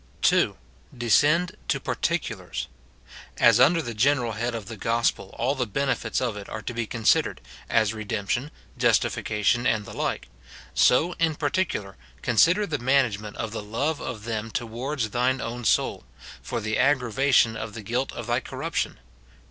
2. Descend to particulars. As under the general head of the gospel all the benefits of it are to be con sidered, as redemption, justification, and the like ; so, in particular, consider the management of the love of them towards thine own soul, for the aggravation of the guilt of thy corruption.